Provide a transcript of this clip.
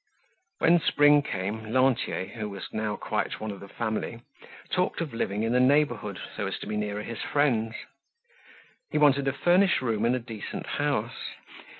When spring came, Lantier, who was now quite one of the family, talked of living in the neighborhood, so as to be nearer his friends. He wanted a furnished room in a decent house.